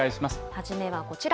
初めはこちら。